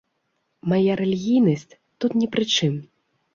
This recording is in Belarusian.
Мая рэлігійнасць тут не пры чым.